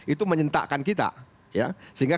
itu menyentakkan kita ya sehingga